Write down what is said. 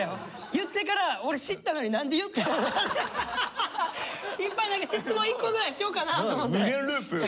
言ってから俺知ってたのにいっぱい何か質問１個ぐらいしようかなと思って。